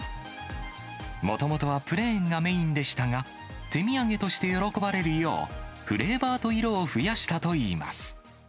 もともとはプレーンがメインでしたが、手土産として喜ばれるよう、フレーバーと色を増やしたといいます。